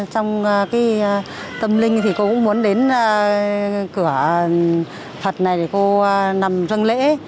trong cái tâm linh thì cô cũng muốn đến cửa phật này để cô nằm chân lễ